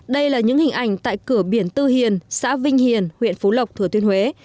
đây là những hình ảnh tại cửa biển tư hiền xã vinh hiền huyện phú lộc thừa tuyên huế